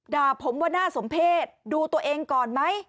ด่าผมว่าน่าสมเพศดูตัวเองก่อนไหม